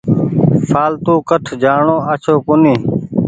ڦآلتو ڪٺ جآڻو آڇو ڪونيٚ۔